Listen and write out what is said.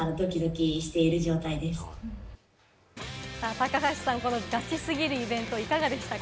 高橋さん、このガチすぎるイベント、いかがでしたか？